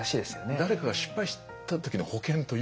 誰かが失敗した時の保険というか。